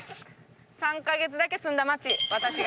３カ月だけ住んだ町私が。